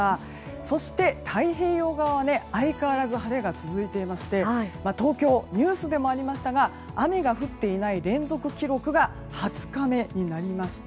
そして、太平洋側は相変わらず晴れが続いていまして東京、ニュースでもありましたが雨が降っていない連続記録が２０日目になりました。